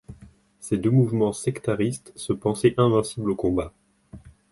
Ces deux mouvements sectaristes se pensaient invincibles au combat.